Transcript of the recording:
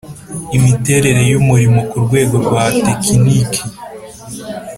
imiterere y Umurimo ku rwego rwa tekiniki